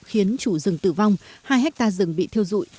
khiến chủ rừng tử vong hai hectare rừng bị thiêu dụi